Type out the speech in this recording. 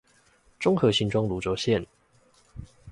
中和新莊蘆洲線